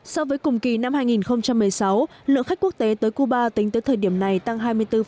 so với cùng kỳ năm hai nghìn một mươi sáu lượng khách quốc tế tới cuba tính tới thời điểm này tăng hai mươi bốn